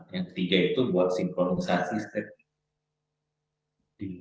yang ketiga itu buat sinkronisasi statement